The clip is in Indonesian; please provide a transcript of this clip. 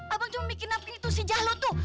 abang cuma bikin nafkin itu si jahlo tuh